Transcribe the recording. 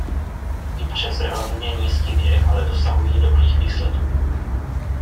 I přes relativně nízký věk ale dosahují dobrých výsledků.